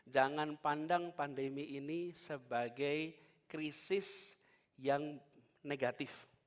jangan pandang pandemi ini sebagai krisis yang negatif